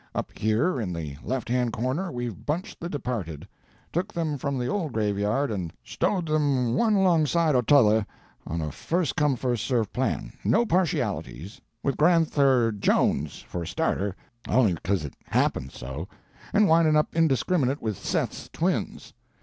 Up here in the left hand corner we've bunched the departed; took them from the old graveyard and stowed them one alongside o' t'other, on a first come first served plan, no partialities, with Gran'ther Jones for a starter, on'y because it happened so, and windin' up indiscriminate with Seth's twins.